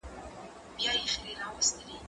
زه تمرين نه کوم!؟